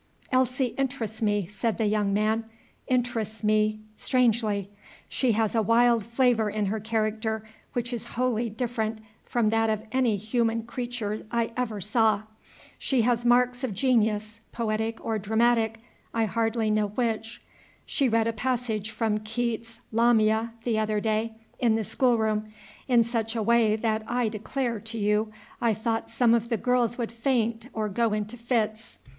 "Elsie interests me," said the young man, "interests me strangely. She has a wild flavor in her character which is wholly different from that of any human creature I ever saw. She has marks of genius, poetic or dramatic, I hardly know which. She read a passage from Keats's 'Lamia' the other day, in the schoolroom, in such a way that I declare to you I thought some of the girls would faint or go into fits.